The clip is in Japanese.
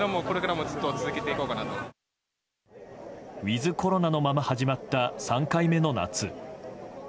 ウィズコロナのまま始まった３回目の夏。